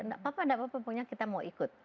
tidak apa apa punya kita mau ikut